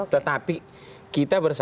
tetapi kita bersama